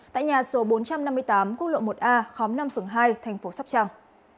tại nhà số bốn trăm năm mươi tám quốc lộ một a khóm năm phường hai thành phố sóc trăng